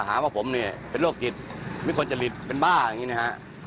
หาว่าผมเนี่ยเป็นโรคจิตวิกลจริตเป็นบ้าอย่างนี้นะฮะ